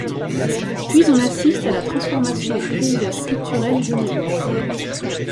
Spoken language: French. Puis on assiste à la transformation du paysage culturel genevois.